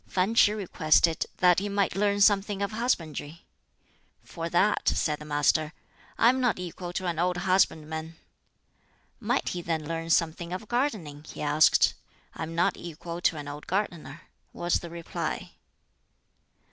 Fan Ch'i requested that he might learn something of husbandry. "For that." said the Master, "I am not equal to an old husbandman." Might he then learn something of gardening? he asked. "I am not equal to an old gardener." was the reply.